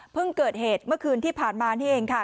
เกิดเหตุเมื่อคืนที่ผ่านมานี่เองค่ะ